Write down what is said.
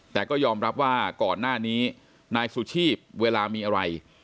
แต่ก็ยอมรับว่าก่อนหน้านี้นายสุชีพเวลามีอะไร